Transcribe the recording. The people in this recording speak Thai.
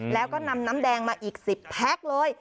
แล้วก็นำน้ำแดงมาอีก๑๐แพ็คเลย